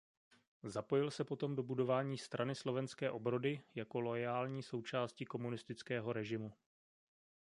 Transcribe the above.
Zapojil se potom do budování Strany slovenské obrody jako loajální součásti komunistického režimu.